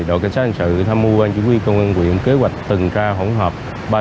đội cảnh sát hành sự tham mưu quan chủ nguyên công an huyện kế hoạch tuần tra hỗn hợp ba trăm sáu mươi ba